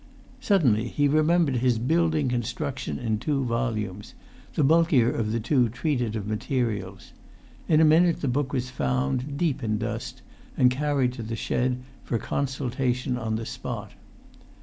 Suddenly, he remembered his Building Construction in two volumes; the bulkier of the two treated of materials. In a minute the book was found, deep in dust, and carried to the shed for consultation on the spot.